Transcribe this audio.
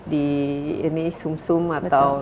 di ini sum sum atau